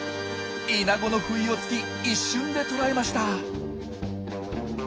イナゴの不意をつき一瞬で捕らえました。